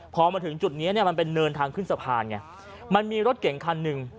พอมาถึงจุดเนี้ยมันเป็นเนินทางขึ้นสะพานไงมันมีรถเก่งคันหนึ่ง